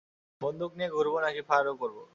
বন্দুক নিয়ে ঘুরব নাকি ফায়ারও করব?